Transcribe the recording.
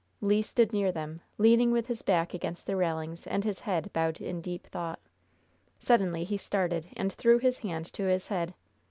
Le stood near them, leaning with his back against the railings and his head bowed in deep thought. Suddenly he started, and threw his hand to his head.